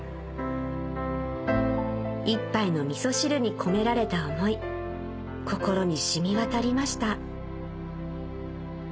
一杯のみそ汁に込められた思い心に染み渡りました